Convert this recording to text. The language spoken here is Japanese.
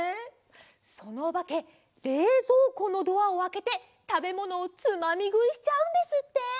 そのおばけれいぞうこのドアをあけてたべものをつまみぐいしちゃうんですって。